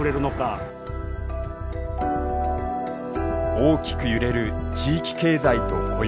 大きく揺れる地域経済と雇用。